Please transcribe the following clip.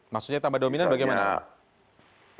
maksudnya tambah dominan bagaimana